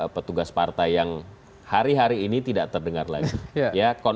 petugas partai yang hari hari ini tidak terdengar lagi